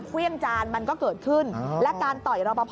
แล้วยังอยากฝากอะไรถึงพี่เขาไหม